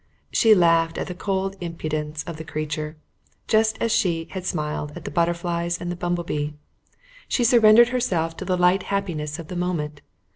She laughed at the cold impudence of the creature, just as she had smiled at the butterflies and the bumble bee. She surrendered herself to the light happiness of the moment.